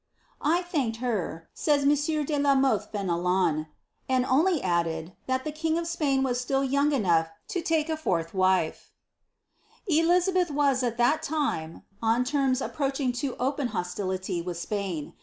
I thanked her," says monsieur de la Moihe Fcnelon, ''and only added, that the king <^ Spain was still young enough to take a fourtli wife," ' Elizabeth was at that time on terms aj^roaching to open hostility with Spain.